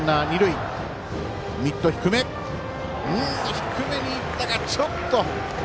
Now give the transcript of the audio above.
低めにいったがちょっと。